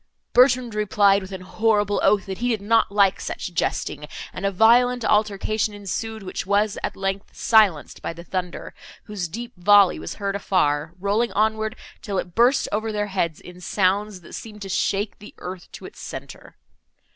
Bertrand replied, with a horrible oath, that he did not like such jesting, and a violent altercation ensued, which was, at length, silenced by the thunder, whose deep volley was heard afar, rolling onward till it burst over their heads in sounds, that seemed to shake the earth to its centre.